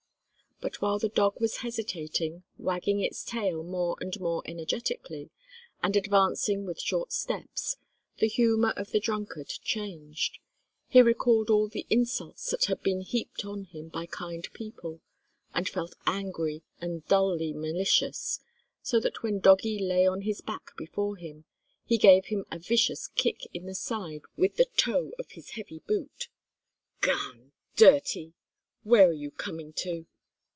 But while the dog was hesitating, wagging its tail more and more energetically, and advancing with short steps, the humour of the drunkard changed. He recalled all the insults that had been heaped on him by kind people, and felt angry and dully malicious, so that when Doggie lay on his back before him, he gave him a vicious kick in the side with the toe of his heavy boot. "Garn! Dirty! Where are you coming to!"